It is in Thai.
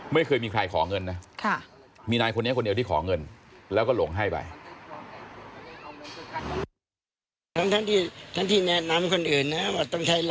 ไม่เคยมีใครขอเงินนะมีนายคนนี้คนเดียวที่ขอเงินแล้วก็หลงให้ไป